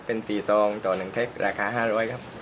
เป็น๔ซองต่อ๑เทปราคา๕๐๐ครับ